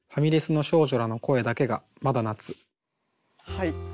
はい。